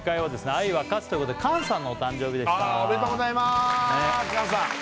「愛は勝つ」ということでＫＡＮさんのお誕生日でしたおめでとうございますＫＡＮさん